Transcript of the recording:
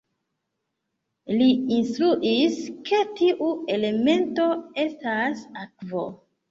Li instruis, ke tiu elemento estas akvo.